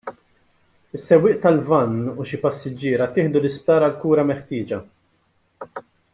Is-sewwieq tal-vann u xi passiġġiera ttieħdu l-isptar għall-kura meħtieġa.